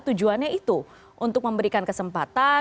tujuannya itu untuk memberikan kesempatan